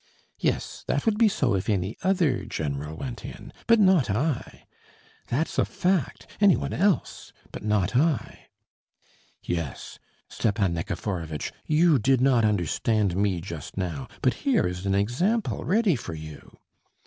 Yes, that would be so if any other general went in, but not I.... That's a fact, any one else, but not I.... "Yes, Stepan Nikiforovitch! You did not understand me just now, but here is an example ready for you.